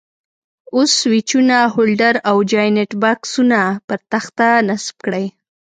اوس سویچونه، هولډر او جاینټ بکسونه پر تخته نصب کړئ.